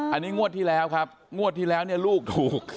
อันนี้งวดที่แล้วครับงวดที่แล้วเนี่ยลูกถูก